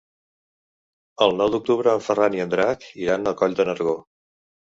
El nou d'octubre en Ferran i en Drac iran a Coll de Nargó.